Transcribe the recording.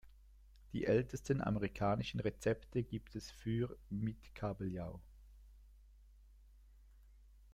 Die ältesten amerikanischen Rezepte gibt es für mit Kabeljau.